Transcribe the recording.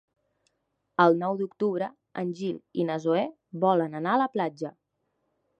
El nou d'octubre en Gil i na Zoè volen anar a la platja.